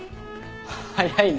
早いね。